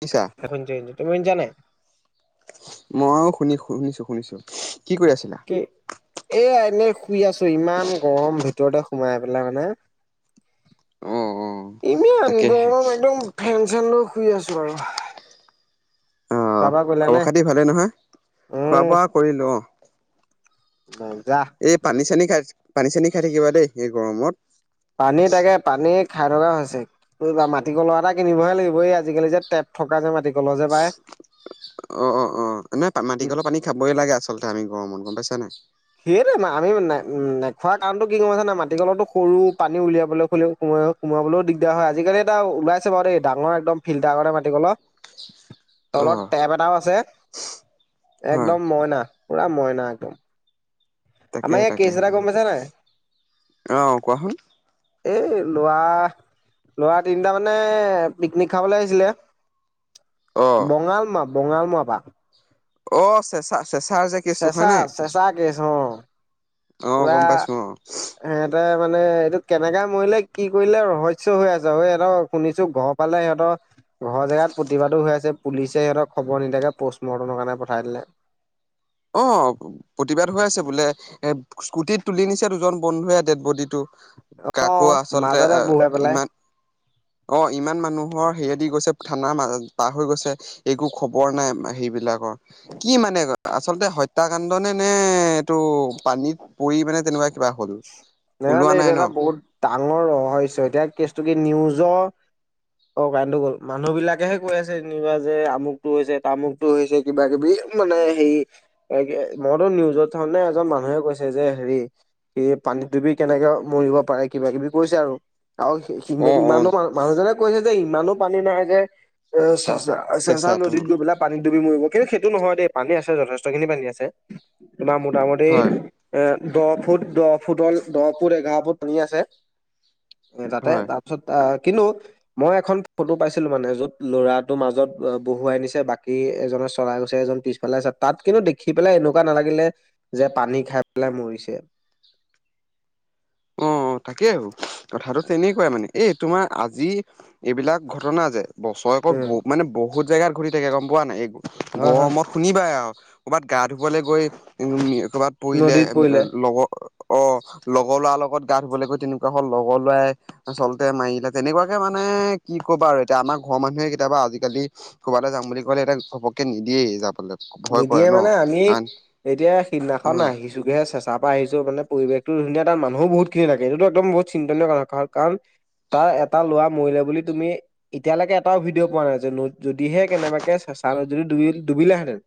শুনিছা এইখন যে তুমি যোৱা নাই। মইও শুনি শুনিছো শুনিছো। কি কৰি আছিলা? এ এনে শুই আছো ইমান গৰম, ভিতৰতে সোমাই পেলাই মানে। অ। অ ইমান তাকেহে গৰম একদম ফেন চেন লৈ শুই আছো আৰু। অ খোৱা বোৱা কৰিলা খবৰ নে খাতি ভালেই নহয়? খোৱা উম বোৱা কৰিলো অঁ'। মজা। এই পানী চানী খাই পানী চানী খাই থাকিবা দেই এই গৰমত। পানী তাকে পানী খাই থকা হৈছে ত মাটি কলহ এটা কিনিবহে লাগিব এই আজিকালি যে টেপ থকা যে মাটি কলহ যে পায়। অ অ অ নাই মাটিকলৰ পানী খাবই লাগে আচলতে আমি গৰম মত গম পাইছা নাই। সেইয়টোৱে আমি ন নে নেখোৱা কাৰণটো কি গম পাইছা না মাটিকলতো সৰু পানী উলিয়াবলৈ হ'লেও কমাই হওক। সোমাবলৈ দিগদাৰ হয় আজিকালি এটা ওলাইছে বাৰু দেই ডাঙৰ একদম ফিল্টাৰ কৰে মাতি ক'ল। [inaudible] অ তলত টেপ এটাও আছে, হয় একদম মইনা পুৰা মইনা একদম। আমাৰ তাকেহে য়া কেচ তাকেহে এটা গম পাইছা নাই? অ কোৱাচোন এই লৰা লৰা তিনিটা মানে পিকনিক খাবলৈ আহিছিলে অ বঙাল মা বঙাল মৰা পৰা অ', চেচা চেচাৰ যে কেচটো হয় চেচা নাই চেচা কেছ অ', অ', গম পাইছো অ', হেঁতে মানে এইটো কেনেকা মৰিলে কি কৰিলে ৰহস্য হৈ আছে হৈ সেত' শুনিছো গপ পালে সিহঁতৰ ঘৰ জেগাত প্ৰতিবাদো হৈ আছে পুলিচে সিহঁতক খবৰ নিদিয়াকে প'ষ্টমৰ্টমৰ কাৰণে পঠাই দিলে। অ', প্ৰতিবাদ হৈ আছে বোলে এ স্কুটিত তুলি নিছে দুজন বন্ধুৱে ডেড বডীটো। অ কাকো আচলতে মাজতে বহুৱাই পেলাই ইমান অ', ইমান মানুহৰ হেৰিয়া দি গৈছে থানা পাৰ হৈ গৈছে। একো খবৰ নাই সেইবলাকৰ কি মানে? আচলতে হত্যাকাণ্ড নে নে এইটো পানীত পৰি মানে তেনেকুৱা কিবা হল ওলোৱা নাজানো এইটো নাই ন? এটা বহুত ডাঙৰ ৰহস্য এতিয়া কেছটো কি নিউজৰ অ', কাৰেণটো গ'ল মানুহ বিলাকেহে কৈ আছে যেনিবা যে আমুকটো হৈছে তামুক টো হৈছে কিবা কিবি মানে হে মইতো নিউজত চাওঁতে এজন মানুহে কৈছে যে হেৰি কি পানীত দুবি কেনেকে মৰিব পাৰে কিবা কিবি কৈছে আৰু। আৰু সি অ অ ইমানো মানুহজনে কৈছে যে ইমানো পানী নাই যে এ চেচা আ, চেছাত চেঁচাটো নদীত গৈ পেলাই পানীত ডুবি মৰিব কিন্তু সেইটো নহয় দেই পানী আছে যথেষ্ট খিনি পানী আছে তোমাৰ মোটামুটি হয় এ দহ ফুট, দহ ফুটৰ, দহ ফুট, এঘাৰ ফুট পানী আছে। এ তাতে হয় তাৰপিছত আ, কিন্তু মই এখন ফটো পাইছিলোঁ মানে য'ত ল'ৰাটো মাজত বহুৱাই নিছে বাকী এজনে চলাই গৈছে এজন পিছ পেলাইছে তাত কিন্তু দেখি পেলাই এনেকুৱা নালাগিলে যে পানী খাই পেলাই মৰিছে অ', তাকেই আৰু কথাটো তেনেকুৱাই মানে এই তোমাৰ আজি এইবিলাক ঘটনা যে বছৰেকৰ উম ব মানে বহুত জেগাত ঘতি থাকে গম পোৱা নে এই হয় হয় গৰমত শুনিবাই আৰু ক'ৰবাত গা ধুবলৈ গৈ উম, কৰবাত পৰিলে লগৰ অ', লগৰ লৰা লগত গা ধুবলৈ গৈ তেনেকুৱা হল লগৰ ল'ৰাই আচলতে মাৰিলে তেনেকুৱাকে মানে কি কবা আৰু এতিয়া আমাৰ ঘৰৰ মানুহে কেতিয়াবা আজিকালি কবালে যাম বুলি ক'লে এটা ঘপককে নিদিয়ে যাবলে নিদিয়ে মানে আমি এতিয়া সিদিনাখন আহি যোগে চেচা পৰা আহিছো মানে পৰিৱেশটো ধুনীয়া তাত মানুহো বহুত খিনি থাকে এইটো একদম বহুত চিন্তনীয় কাৰণ কাৰণ তাৰ এটা ল'ৰা মৰিলে বুলি তুমি এতিয়ালৈকে এটাও ভিডিঅ' পোৱা নাই যে যদিহে কেনেবাকে চেচা যদি ডুবি ডুবিলে হেঁতেন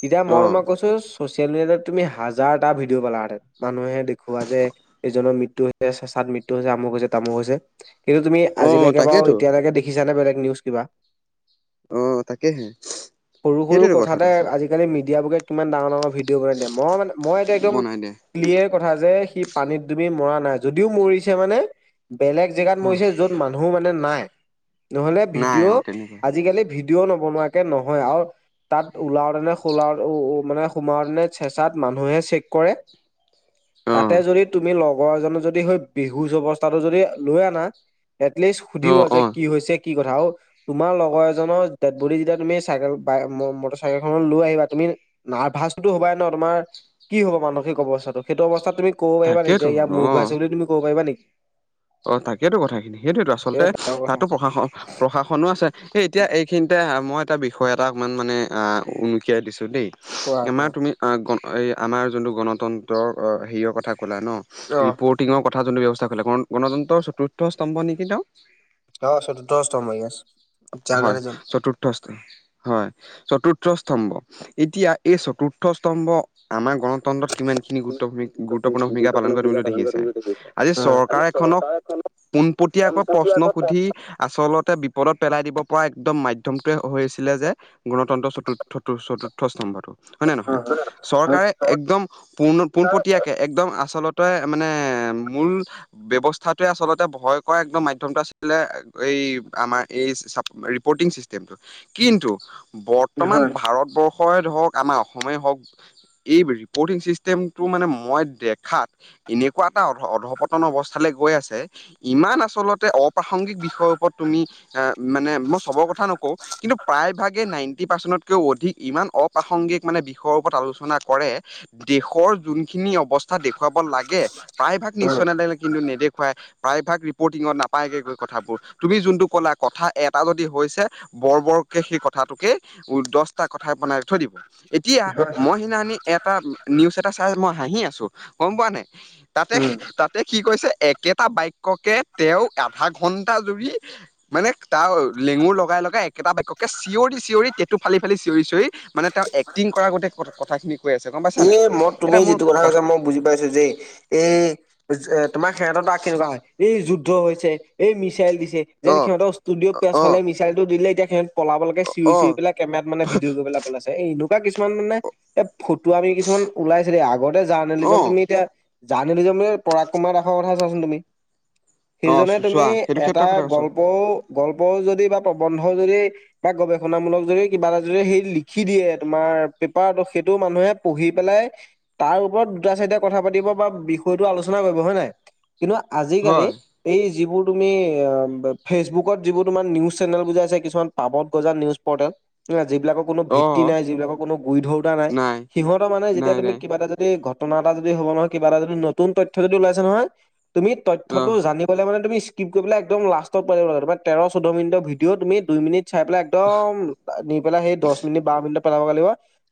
তেতিয়া অ অ মই তোমাক কৈছো ছচিয়েল মিডিয়াত তুমি হাজাৰটা ভিডিঅ' পালাে হেঁতেন মানুহে দেখুওৱা যে এজনৰ মৃত্যু হৈছে চেচাত মৃত্যু হৈছে আমুক হৈছে তামুক হৈছে কিন্তু তুমি অ আজিলৈকে বাৰু তাকেতো এতিয়ালৈকে দেখিছানে বেলেগ নিউজ কিবা? অ', তাকেহে সৰু সৰু সেইটো কথাতে আজিকালি মিডিয়াব বকে কিমান ডাঙৰ ডাঙৰ ভিডিঅ' বনাই দিয়ে মই মান মই এইটো একদম বনাই দিয়ে ক্লিয়াৰ কথা যে সি পানীত তুমি মৰা নাই যদিও মৰিছে মানে বেলেগ জেগাত অ মৰিছে যত মানু্হ মানে নাই। নহলে নাই ভিডিঅ অ তেনেকুৱা আজিকালিৰ ভিডিঅ' নবনোৱাকে নহয় আৰু তাত ওলাও নে মানে সোমাওতে তেনে চেঁচাত মানুহে চেক কৰে। অ তাতে যদি তুমি লগৰ এজনে যদি স বিহুজ অৱস্থাটো যদি লৈ আনা এটলিষ্ট অ সুধিও অ যে কি হৈছে কি কথা আৰু তোমাৰ লগৰ এজনৰ বুলি যেতিয়া তুমি চাইকেল মটৰ চাইকেল খনত লৈ আহিবা তুমি নাৰ্ভাচটোতো হ'বাই ন তোমাৰ কি হব মানসিক অৱস্থাটো সেইটো অৱস্থাত তুমি ক'ব পাৰিবা নে যে তাকেইতো ইয়াৰ মূল অ ঘোৰাইছে বুলি তুমি কব পাৰিবা নেকি। অ তাকেইতো কথাখিনি সেইটো এইটো আচলতে ডাঙৰ কথা। তাতো প্ৰশাসন প্ৰশাসনো আছে সে এতিয়া এইখিনিতে মই এটা বিষয় এটা অকণমান মানে উনুকিয়াই দিছোঁ দেই কোৱা আমাৰ কোৱা তুমি গণ এই আমাৰ যোনটো গণতন্ত্ৰৰ হেৰিয়ৰ কথা ক'লা ন। অ', ৰিপৰ্টিঙৰ কথা যোনটো ব্যৱস্থা কৰিলে গণতন্ত্ৰৰ চতুৰ্থ স্তম্ভ নেকি তেওঁ অ চতুৰ্থ ষ্টম হৈাৰ আছ হয় জানুৱাৰী যাম চতুৰ্থ মষ্ট হয় চতুৰ্থ স্তম্ভ এতিয়া এই চতুৰ্থ স্তম্ভ আমাৰ গণতন্ত্ৰত কিমান খিনি গুৰুত্বূ গুৰুত্বপূৰ্ণ ভূমিকা পালন কৰি তুমি টো দেখিছা আছে আজি চ উম। এখনক পোনপটীয়াকৈ প্ৰশ্ন সুধি আচলতে বিপদত পেলাই দিব পৰা একদম মাধয়মটোৱে হৈ আছিলে যে গণতন্ত্ৰ চত চতুৰ্থ স্তম্ভৰটো হয়ে নে নহয়। হয় চৰকাৰে একদম পোন পোনপটীয়াকে একদম আচলতে তই মানে মূল ব্যৱস্থাতোৱে আচলতে ভয় কৰা একদম মাধ্যমতটো আছিলে এই আমাৰ এই ৰিপৰ্টিং চিষ্টেমটো কিন্তু বৰ্তমান হয় ভাৰতবৰ্ষ অসম হওক আমাৰ অসমেই হওক এই ৰিপৰ্টিং চিষ্টেমটো মানে মই দেখাত এনেকুৱা এটা অধপ নন অৱস্থালৈ গৈ আছে ইমান আচলতে অপ্ৰাসংগিক বিষয়ৰ ওপৰত তুমি? এ মানে মই চবৰ কথা নকওঁ! কিন্তু প্ৰায়ভাগে নাইনটি পাৰ্চেন্টতকেও অধিক ইমান অপ্ৰাসংগিক মানে বিষয়ৰ ওপৰত আলোচনা কৰে। দেশৰ যোনখিনি অৱস্থা। ক দেখুৱাব লাগে প্ৰায়ভাগ নিউজ চেনেল কিন্তু নেদেখুৱাই প্ৰায়ভাগ ৰিপৰ্টিঙত ন পাইগে গৈ কথাবোৰ তুমি যোনটো ক'লা কথা এটা যদি হৈছে বৰ বৰ। সেই কথাটোকে দহটা কথা বনাই থৈ দিব এতিয়া হয় মই সিনানি এটা। এটা নিউজ এটা চাই হাঁহি আছো গম পোৱা নাই উম। তাতে। তে কি কৈছে একেটা বাক্যকে তেওঁ আধা ঘণ্টা জুৰি মানে তাৰ লেঙুৰ লগাই লগাই একেটা বাক্যক চিঞৰি চিঞৰি তেটো ফালি ফালি চিঞৰি চিঞৰি। মানে তেওঁ এক্টিং কৰা গোটেই কথাখিনি কৈ আছে গম এ পাইছানে মই এটা তুমি মোৰ যিটো কথা ক কৈছা মই বুজি পাইছো যেই এই তোমাৰ সিহঁতৰ ত কেনেকুৱা হয় এই যুদ্ধ হৈছে এই মিছাইল দিছে। যেন অ সিহঁত ষ্টুডঅ পিছ অ ফালে মিচাইটো দিলে এয়া সিহঁত পলাবকে। চিঞৰি অ চিঞৰি কেমেৰাত মানে ভিডিঅ গ পেলাই পলাইছে এনেকুৱা কিছুমান মানে এ ফ ফটোৱামি কিছুমান ওলাইছে দেই আগতে অ জাৰ্নেলিজক তুমি এতিয়া জাৰ্লিজম ন পৰাগ কুমাৰ দাসৰ কথা চাচোন তুমি। অ সেইজনে তুমি চোৱা সেইটো এটা ক্ষেত্ৰৰ কথা কৈছো গল্পও গল্পও যদি বা প্ৰবন্ধও যদি। বা গৱেষণা মূলক যদি কিবা এটা যদি সেই লিখি দিয়ে তোমাৰ পেপাৰটো সেইটো মানুহে। পঢ়ি পেলাই তাৰ ওপৰত দুটা চাৰিটা কথা পাতিব বা বিষয়টো আলোচনা কৰিব হয় নে নাই? কিন্তু আজিকালি। হয় এই যিবোৰ তুমি ফেচবুকত যিবোৰ তোমাৰ নিউজ চেনেল বুজাই আ কিছুমান পাবত গজা নিউজ পৰ্টেল। ন যিবিলাক কোনো অ ভিত্তি নাই যিবিলাকৰ কোনো গুৰি ধৰোতা নাই। সিহঁতৰ মানে যেতিয়া নাই তুমি নাই কিবা এটা যদি ঘটনা এটা যদি হ'ব নহয় কিবা এটা যদি নতুন তথ্য যদি ওলাইছে নহয়। তুমি অ তথ্যটো জানিবলৈ মানে তুমি। স্কিপ কৰি পেলাই একদম লাষ্ট পুৱাই দিব লাগে তোমাৰ তেৰ চৈধ্য মিনিট ভডিঅ' তুমি দুইমিনিট। চাই পেলাই একদম নি পেলাই সেই দহ মিনিট বাৰ মিনিট পেলাব লাগিব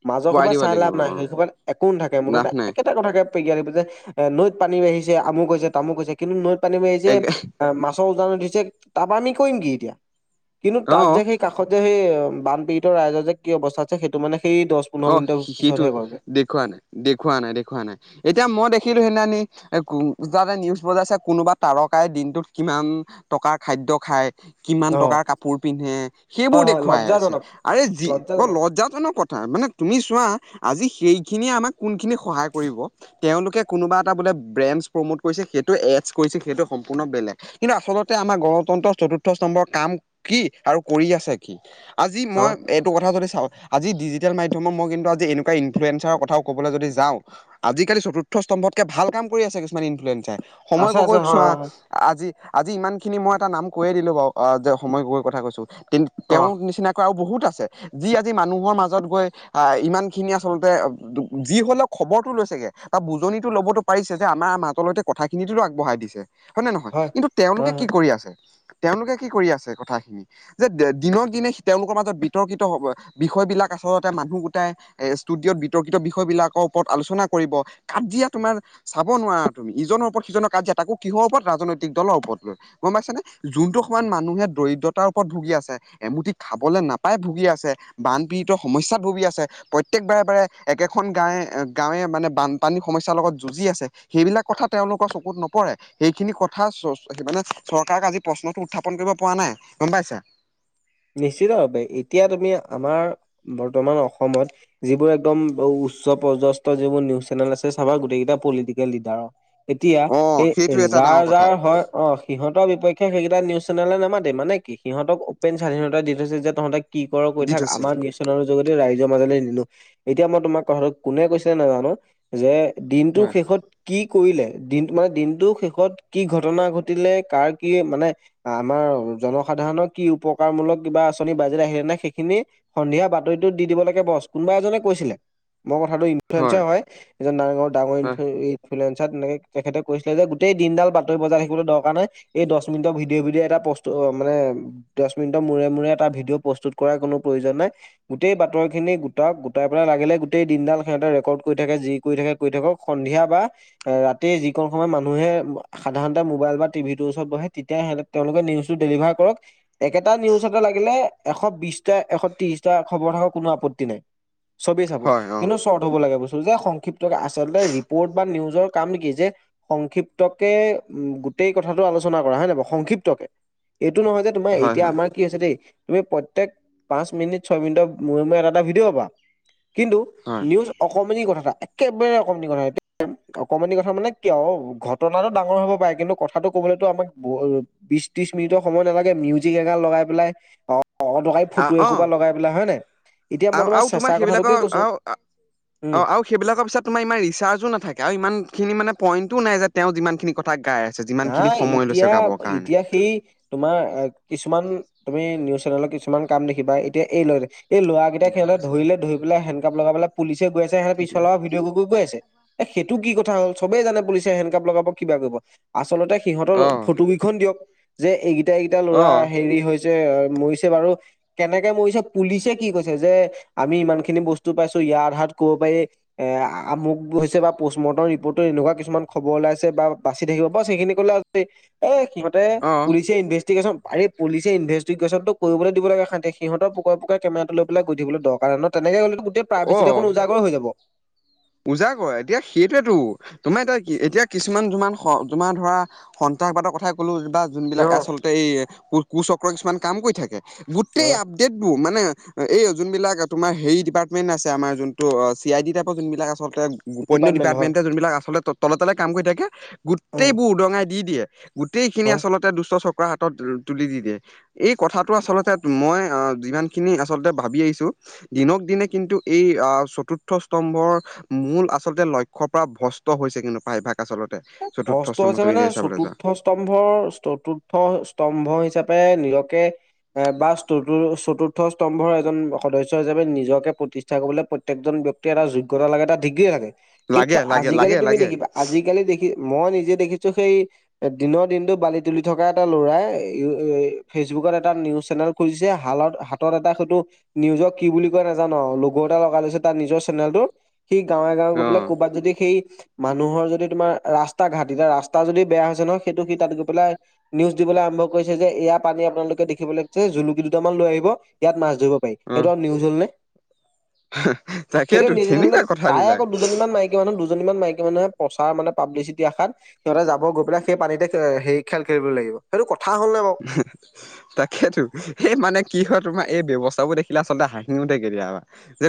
মাজৰ পোৱাই সোবা দিব চাই লাভ লাগিব নাই, অ সেইটো কাৰণে একো নাথাকে লাভ মুঠতে নাই এক এটা কথাকে জঞানিব যে এ নৈত পানী বাঢ়িছে আহিছে আমুক হৈছে তামোক কৈছে কিন্তু নৈত পানী বাঢ়িছে এক মাছৰ উজান উঠিছে তাৰাপা আমি কৰিম কি এতিয়া, কিন্তু তাত অ যে সেই কাষত যে সেই বানপীড়িত ৰাইজৰ যে কি অৱস্থা আছে সেইটো মানে সেই দহ পোন্ধৰ অ মিনিটৰ সিটো পিছতহে কয়গে দেখুওৱা নাই দেখুওুৱা নাই দেখুওৱা নাই এতিয়া মই দেখিলো সেইনানি এ যাতে নিউজ বজাইছে কোনোবা তাৰকাই দিনটোত কিমান টকাৰ খাদ্য খায়। কিমান অ টকাৰ কাপোৰ পিন্ধে সেইবোৰ হয় হয় দেখুৱাই আছে লজ্জাজনক আৰে যি অ লজ্জাজনক লজ্জাজনক কথা। মানে তুমি চোৱা আজি সেইখিনিয়ে আমাক কোন খিনি সহায় কৰিব। তেওঁলোকে কোনোবা এটা বোলে ব্ৰেণ্ডছ প্ৰম'ট কৰিছে সেইটো এডছ কৰিছিল সেইটো সম্পূৰ্ণ বেলেগ। কিন্তু আচলতে আমাৰ গণতন্ত্ৰ চতুৰ্থ সম্ভৰ কাম কি আৰু কৰি আছে আজি মই হয় এইটো কথা যদি চাওঁ আজি ডিজিটেল মাধ্যম মক মই কিন্তু আজি এনেুৱ ইন্লুৱেঞ্চাৰ কথাও কবলৈ যদি যাওঁ। আজিকালি চতুৰ্থ স্তম্ভতকে ভাল কাম কৰি আছে কিছুমান ইনফ্লয়েঞ্চাই সময় আছে গগৈ আছে ক হয় চোৱা। হয় হয় আজি আজি ইমান খিনি মই এটা নাম কৈয়ে দিলো বাৰু যে সময় গগৈ কথা কৈছো কিন্ অ তেওঁ নিচিনাকৈ আৰু বহুত আছে যি আজি মানুহৰ মাজত গৈ আহ ইমান খিনি আচলতে যি হলেও খবৰটো লৈছেগে তাৰ বুজনিটো ল'বতো পাৰিছে যে আমাৰ মাতলৈ কথাখিনিতো আগবঢ়াই দিছে হয় নে নহয়? কিন্তু তেওঁলোকে হয়, কি হয়, কৰি আছে তেওঁলোকে কি কৰি আছে কথাখিনি? যে দিনক দিনে তেওঁলোকৰ মাজত বিতৰ্কিত হব বিষয় বিলাক আচলতে মানুহ গোটাই এ ষ্টুডিঅ'ত বিতৰ্কিত বিষয় বিলাকৰ ওপৰত আলোচনা কৰিব কাজিয়া তোমাৰ চাব নোৱাৰা তুমি ইজনৰ ওপৰত সিজনৰ কাজিয়া তাকো কিহৰ ওপৰত ৰাজনৈতিক দলৰ ওপৰত লৈ। গম পাইছানে, যোনটো সময়ত মানুহে দৰিদ্ৰতাৰ ওপৰত ভুগি আছে। এমুটি খাবলৈ নাপাই ভুগি আছে বানপীড়িতৰ সমস্যাত ভুগি আছে। প্ৰত্যেক বাৰে বাৰে একেখন গাঁৱে গাঁৱে মানে বানপানী সমস্যাৰ লগত যুঁজি আছে। সেইবিলাক কথা তেওঁলোকৰ চকুত নপৰে। সেইখিনি কথা চ মানে চৰকাৰক আজি প্ৰশ্নটো উত্থাপন কৰিব পৰা নাই গম পাইছা? নিশ্চিতভাৱে, এতিয়া তুমি আমাৰ বৰ্তমান অসমত যিবোৰ একদম উচ্চ পৰ্যস্ত যিবোৰ নিউজ চেনেল আছে চাবা গোটেইকেইটা পলিটিকেল লিডাৰৰ। এতিয়া অ সেই সেইটো এটা যাৰ ডাঙৰ কথা যাৰ হয় অ সিহতৰ বিপক্ষে সেইকেইটা নিউজ চেনেলে নামাতে মানে কি সিহঁতক অপেন স্বাধীনতা দি থৈছে যে তহঁতে কি কৰ কৈ দি থাক থৈছে আমাৰ নিশ্চ য ৰাইজৰ মাজলৈ নিলো এতিয়া মই তোমাৰ কথাটো কোনে কৈছে নাজানো,, যে দিনটো হয় শেষত কি কৰিলে দিন মানে দিনটো শেষত কি ঘটনা ঘটিলে কাৰ কি মানে আমাৰ জনসাধাৰণৰ কি উপকাৰমূলক কিবা আঁচনি বাজেট আহিলে নে সেইখিনি সন্ধিয়া বাতৰিটোত দি দিব লাগে বছ কোনোবা এজনে কৈছিলে মোৰ কথাটো ইনফ্লেমেচনৰ হয়। এজন নাঙৰ ডাঙৰ হয় ইনফ্লুৱেঞ্চাৰ তেনেকে তেখেতে কৈছিলে যে গোটেই দিনডাল বাতৰি বজাই থাকিবলৈ দৰকাৰ নাই। এই দশ মিনিটৰ ভিডিঅে ভিডিয়ে এটা প্ৰস্তু অ মানে দশ মিনিটৰ মূৰে মূৰে এটা ভিডিঅ' প্ৰস্তুত কৰাৰ কোনো প্ৰয়োজন নাই। গোটেই বাতৰি খিনি গোটাওক, গোটাই পেলাই লাগিলে গোটেই দিনডাল সিহঁতে ৰেকৰ্ড কৰি থাকে যি কৰি থাকে কৰি থাকক, সন্ধিয়া বা ৰাতি যিকন সময় মানুহে সাধাৰণতে মোবাইল বা টিভিটোৰ ওচৰত বহে, তেতিয়াহে তেওঁলোকে নিউজ টো ডেলিভাৰ কৰক। একেটা নিউজতে লাগিলে এশ বিশটা এশ ত্ৰিশটা খবৰ থাকক কোনো আপত্তি নাই। চবেই চাব, হয় অ কিন্তু? চৰ্ত হব লাগে, বস্তু যে সংক্ষিপ্ত আচলতে ৰিপৰ্ট বা নিউজৰ কামে কি যে সংক্ষিপ্তকে উম গোটেই কথাটো আলোচনা কৰা হয়নে বাৰু সংক্ষিপ্তকে, এইটো নহয় যে তোমাৰ হয় এতিয়া হয় আমাৰ কি হৈছে দেই, তুমি প্ৰত্যেক পাঁচ মিনিট ছয় মিনিটৰ মূৰে মূৰে এটা এটা ভিডিঅ' পাবা। কিন্তু, হয় নিউজ অকমানি কথা এটা একেবাৰে অকমানি কথা, এতি অকমানি কথা মানে কি আও ঘটনাটো ডাঙৰ হব পাৰে, কিন্তু কথাটো কবলৈটো আপুনি বিশ ত্ৰিশ মিনিট সময় নালাগে। মি জিক এগাল লগাই পেলাই, অ অদৰকাৰী আ ফটো অ এহুপা লগাই পেলাই হয় নাই। এতিয়া মই আৰু তোমাৰ আৰু চেচাৰ কথাটোকে সেইবিলাকৰ কৈছো। আৰু অ উম আৰু সেইবিলাকৰ পিছত ইমান ৰিচাৰ্জো নাথাকে, আৰু ইমানখিনি মানে পইণ্টো নাই যে তেওঁ যিমানখিনি কথা গাই আছে যিমান খিনি সময় লৈছে গাবৰ কাৰণে। হি তোমাৰ এ কিছুমান তুমি নিউজ চেনেলত কিছুমান কাম দেখিবা, এতিয়া এই লৈ এই লৰা কেইটাক সিহঁতে ধৰিলে, ধৰি পেলাই হেণ্ডকাপ লগাই পেলাই পুলিচে গৈ আছে, সিহঁতে পিছ ফালৰ পৰা ভিডিঅ কৰি কৰি গৈ আছে। এ সেইটো কি কথা হ'ল চবেই জানে পুলিচে হেণ্ডকাপ লগাব কিবা কৰিব। আচলতে সিহঁতৰ অ ফটো কেইখন দিয়ক, যে এইকেইটা এইকেইটা অ ল'ৰা হেৰি হৈছে মৰিছে বাৰু কেনেকে মৰিছে পুলিচে কি কৈছে যে আমি ইমান খিনি বস্তু পাইছো ইয়াৰ আধাত কব পাৰি এ আমুক হৈছে বা পষ্ট মৰ্টম ৰিপৰ্ট এনেকুৱা কিছুমান খবৰ ওলাইছে, বাচি থাকিব বছ সেইখিনি কলে যদি এ সিহঁতে পুলিচ ইনভেষ্টিগেশ্যন আৰে পুলিচে ইনভেষ্টিগেশ্যনটো কৰিব দিব লাগে শান্তিৰে, সিহঁতৰ পকোৱে পকোৱে কেমেৰাটো লৈ পেলাই গৈ থাকিবলৈ দৰকাৰ নাই নহয়, তেনেকে হলে গোটে তাৰপিছতে দেখোন উজাগৰে হৈ যাব। উজাগৰে, এতিয়া হেটোৱেটো তোমাৰ এতিয়া কি এতিয়া কিছুমান যোমান তোমাৰ ধৰা সন্ত্ৰাসবাদৰ কথাই ক'লো বা ন যোনবিলাক আচল এই কু কুচক্ৰ কিছুমান কাম কৰি থাকে অ গোটেই আ ত্যেকবোৰ মানে এই যোন বিলাক তোমাৰ হেৰি ডিপাৰ্টমেন্ট আছে আমাৰ যোনটো চি আই ডি টাইপৰ যোন বিলাক আচলতে অন্য ডিপাৰ্টমেণ্ট হয় ডিপাৰ্টমেণ্টে যোনবিলাক আচলতে তলে তলে কাম কৰি থাকে। অ গোটেইবোৰ উদঙাই দি দিয়ে, গোটেইখিনি হয়। আচলতে দুষ্ট চক্ৰৰ হাতত তুলি দি দিয়ে। এই কথাটো আচলতে মই আঁ যিমান খিনি আচলতে ভাবি আহিছো। দিনক দিনে কিন্তু এই আঁহ চতুৰ্থ স্তম্ভৰ মূল আচলতে লক্ষ্যৰ পৰা ভ্ৰস্ত হৈছে কিন্তু প্ৰায়ভাগ। আচলতে হস্ত চতুৰ্থ হৈছে মানে স্তম্ভজুৰিয়ে চাবলৈ যোৱা, চতুৰ্থ স্তম্ভৰ চতুৰ্থ স্তম্ভ হিচাপে নীৰকে এ বা ইষ্টো চতুৰ্থ স্তম্ভৰ এজন সদস্য হিচাপে নিজকে প্ৰতি ষ্ঠা কৰিবলৈ প্ৰত্যেকজন ব্যক্তিকে এটা যোগ্যতা লাগে এটা ডিগ্ৰী লাগে। লাগে কিন্তু লাগে আজিকালি লাগে তুমি লাগে দেখিবা আজিকালি দেখি মই নিজে দেখিছো সেই দিনৰ দিনটো বালি তুলি থকা এটা ল'ৰাই, ফেচবুকত এটা নিউজ চেনেল খুলিছে হালত হাতৰ এটা সেইটো নিউজক কি বুলি কয় নাজানো আও লগ' এটা লগাই লৈছে তাৰ নিজৰ চেনেলটো। সি গাঁৱে গাঁৱে গৈ পেলাই অ', ক'বাত যদি সেই মানুহৰ যদি তোমাৰ ৰাস্ত স্তা ঘাটিতে ৰাস্তা যদি বেয়া হৈছে ন। সেইটো সি তাত গৈ পেলাই নিউজ দিবলে আৰম্ভ কৰিছে যে এয়া পানী আপোনালোকে দেখিবলৈ [unintelligible] জুলুকি দুটামান লৈ আহিব, ইয়াত মাছ ধৰিব। [unintelligible] সেইটো অ', আও নিউজ হলনে? সেইটো তাকেইতো নিউজত তেনেকুৱা তাই কথাবিলাক আকৌ দুজনীমান মাই [unintelligible] দুজনী মান মাইকী মানুহে প্ৰচাৰ মানে পাব্লিচি যি আশাত সিহঁতে যাব, গৈ পেলাই সেই পানীতে এ সেই খেল খেলিব লাগিব। সেইটো কথা হ'ল নে বাও। [unintelligible] তাকেতো। এই মানে কি হয় তোমাৰ এই ব্যৱস্থাবোৰ দেখিলে আচলতে হাঁহিও উঠে কেতিয়াবা যে